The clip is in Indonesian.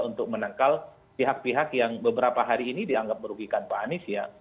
untuk menangkal pihak pihak yang beberapa hari ini dianggap merugikan pak anies ya